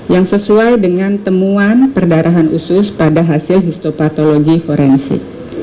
yang sesuai dengan temuan perdarahan usus pada hasil histopatologi forensik